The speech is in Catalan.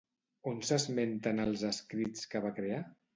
On s'esmenten els escrits que va crear?